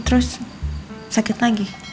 terus sakit lagi